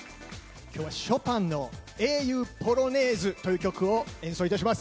今日はショパンの「英雄ポロネーズ」という曲を演奏いたします。